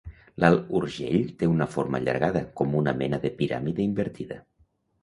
L'Alt Urgell té una forma allargada, com una mena de piràmide invertida.